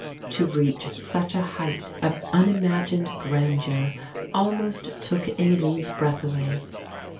To reach such a height of unimagined grandeur almost took Aline's breath away.